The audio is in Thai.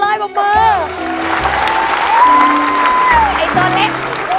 ไอโจรเล็ก